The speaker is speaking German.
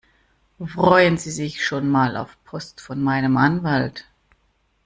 Freuen Sie sich schon mal auf Post von meinem Anwalt!